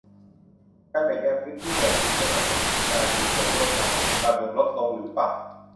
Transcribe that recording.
การแบ่งแยกพื้นที่แบบนี้ จะทำให้การมีส่วนร่วมทางสังคมการเมืองลดลงหรือเปล่า